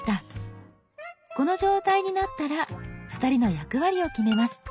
この状態になったら２人の役割を決めます。